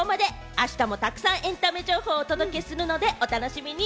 あしたもたくさんエンタメ情報をお届けするのでお楽しみに。